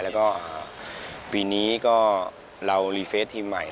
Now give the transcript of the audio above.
แล้วก็ปีนี้ก็เรารีเฟสทีมใหม่